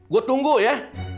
gue tunggu ya